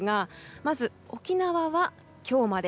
まず沖縄は今日まで。